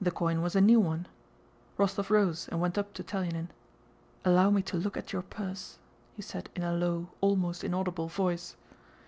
The coin was a new one. Rostóv rose and went up to Telyánin. "Allow me to look at your purse," he said in a low, almost inaudible, voice.